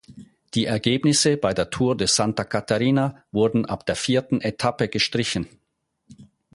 Die Ergebnisse bei der Tour de Santa Catarina wurden ab der vierten Etappe gestrichen.